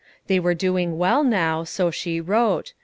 They were doing well now, so she wrote.